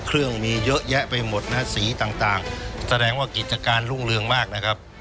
เครื่องมีเยอะแยะไปหมดนะฮะสีต่างแสดงว่ากิจการรุ่งเรืองมากนะครับ